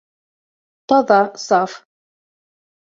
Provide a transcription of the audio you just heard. Таҙа, саф